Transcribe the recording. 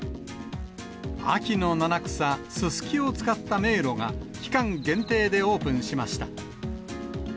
秋の七草、ススキを使った迷路が、期間限定でオープンしました。